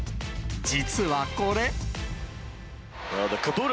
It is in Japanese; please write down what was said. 実はこれ。